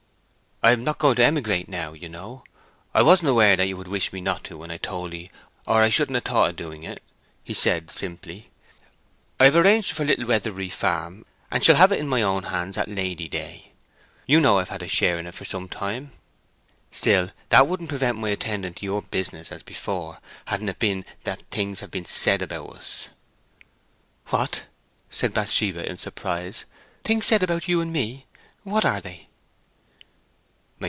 "I am not going to emigrate, you know; I wasn't aware that you would wish me not to when I told 'ee or I shouldn't ha' thought of doing it," he said, simply. "I have arranged for Little Weatherbury Farm and shall have it in my own hands at Lady day. You know I've had a share in it for some time. Still, that wouldn't prevent my attending to your business as before, hadn't it been that things have been said about us." "What?" said Bathsheba, in surprise. "Things said about you and me! What are they?"